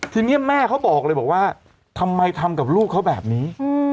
ทีนี้แม่เขาบอกเลยบอกว่าทำไมทำกับลูกเขาแบบนี้